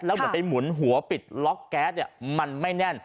แล้วเหมือนไปหมุนหัวปิดล็อกแก๊สเนี่ยมันไม่แน่น